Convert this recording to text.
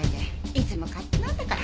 いつも勝手なんだから。